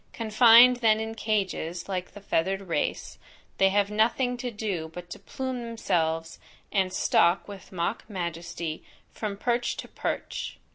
Confined then in cages, like the feathered race, they have nothing to do but to plume themselves, and stalk with mock majesty from perch to perch.